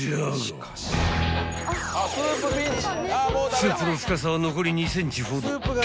［スープの深さは残り２ｃｍほど］